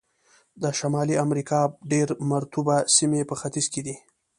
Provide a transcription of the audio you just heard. د شمالي امریکا ډېر مرطوبو سیمې په ختیځ کې دي.